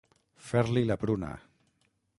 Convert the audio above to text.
Fer-li la pruna.